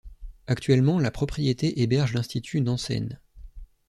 Actuellement, la propriété héberge l'Institut Nansen.